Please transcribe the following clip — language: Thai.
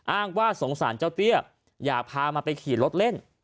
อ้างว่าสงสารเจ้าเตี้ยอยากพามาไปขี่รถเล่น